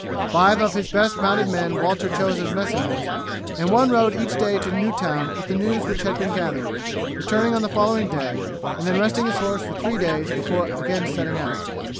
Five of his best mounted men Walter chose as messengers, and one rode each day to New Town with the news which had been gathered, returning on the following day, and then resting his horse for three days before again setting out.